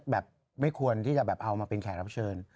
แบบไม่ควรที่จะแบบเอามาเป็นแขกรับเชิญ